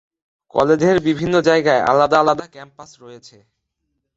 কলেজের বিভিন্ন জায়গায় আলাদা আলাদা ক্যাম্পাস রয়েছে।